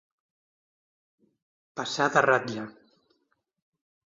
Passar de ratlla.